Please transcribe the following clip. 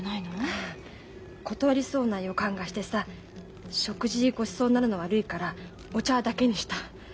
ああ断りそうな予感がしてさ食事ごちそうになるの悪いからお茶だけにした。